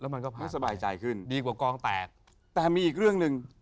มันก็พักสบายใจขึ้นดีกว่ากองแตกแต่มีอีกเรื่องหนึ่ง